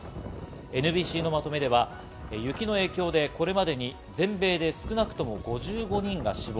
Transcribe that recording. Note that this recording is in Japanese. ＮＢＣのまとめでは雪の影響でこれまでに全米で少なくとも５５人が死亡。